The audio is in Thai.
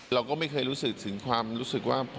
เราก็ไม่เคยรู้สึกถึงความรู้สึกว่า